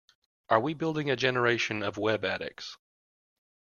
Are we building a generation of web addicts?